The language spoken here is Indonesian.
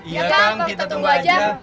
iya kang kita tunggu aja